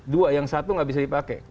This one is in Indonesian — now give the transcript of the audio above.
dua yang satu nggak bisa dipakai